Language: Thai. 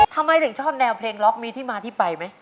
ทำไมถึงชอบแนวเพลงล็อกมีที่มาที่ไปไหม